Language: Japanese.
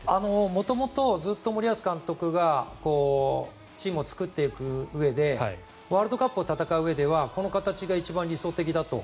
元々、ずっと森保監督がチームを作っていくうえでワールドカップを戦ううえではこの形が一番理想的だと。